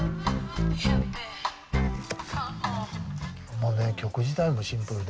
もうね曲自体もシンプルで。